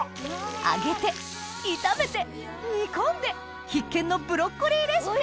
揚げて炒めて煮込んで必見のブロッコリーレシピ！